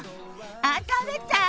あ食べたい！